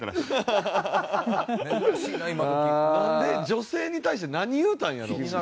女性に対して何言うたんやろう？